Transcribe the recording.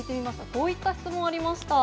こういった質問ありました。